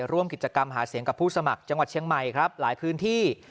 ร่วมกิจกรรมหาเสียงกับผู้สมัครจังหวัดเชียงใหม่ครับหลายพื้นที่